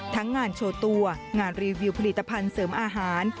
ทั้งงานโชว์ตัวงานรีวิวผลิตภัณฑ์เสริมอาหาร